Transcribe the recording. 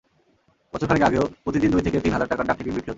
বছরখানেক আগেও প্রতিদিন দুই থেকে তিন হাজার টাকার ডাকটিকিট বিক্রি হতো।